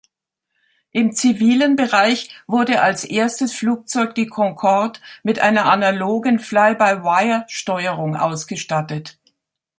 Im zivilen Bereich wurde als erstes Flugzeug die Concorde mit einer analogen Fly-by-Wire-Steuerung ausgestattet.